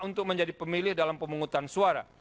untuk menjadi pemilih dalam pemungutan suara